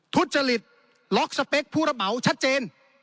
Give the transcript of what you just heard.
ทุจริตล็อกสเปคผู้รับเหมาชัดเจน